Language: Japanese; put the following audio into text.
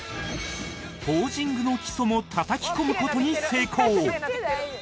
ポージングの基礎もたたき込む事に成功！